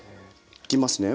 いきますね。